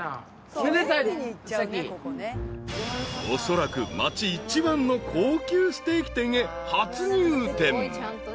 ［おそらく町一番の高級ステーキ店へ初入店］